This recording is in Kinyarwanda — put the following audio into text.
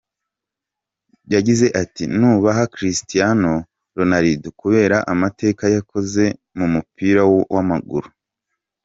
Yagize ati “Nubaha Cristiano Ronaldo kubera amateka yakoze mu mupira w’amaguru.